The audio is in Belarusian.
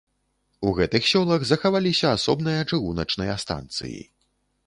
У гэтых сёлах захаваліся асобныя чыгуначныя станцыі.